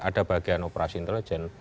ada bagian operasi intelijen